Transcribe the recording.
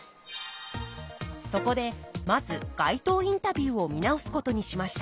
そこでまず街頭インタビューを見直すことにしました。